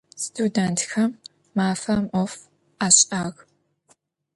Studêntxem mafem 'of aş'ağ.